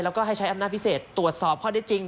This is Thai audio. แล้วก็ให้ใช้อำนาจพิเศษตรวจสอบข้อได้จริง